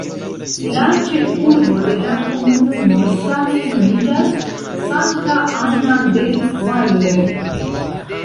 La ĉefurbo de la komunumo same nomiĝas "Santa Ana del Valle".